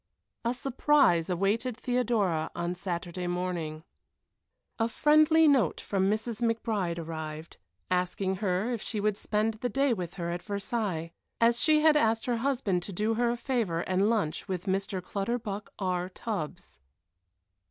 A surprise awaited Theodora on Saturday morning. A friendly note from Mrs. McBride arrived, asking her if she would spend the day with her at Versailles, as she had asked her husband to do her a favor and lunch with Mr. Clutterbuck R. Tubbs.